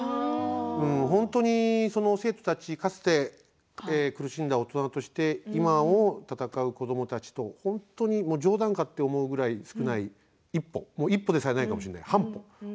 本当に生徒たち、かつて苦しんだ大人として今を闘う子どもたちと本当に冗談かと思うぐらい少ない一歩、一歩でさえないかもしれない半歩。